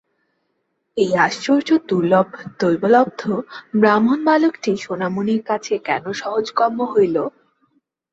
এই আশ্চর্য দুর্লভ দৈবলব্ধ ব্রাহ্মণবালকটি সোনামণির কাছে কেন সহজগম্য হইল।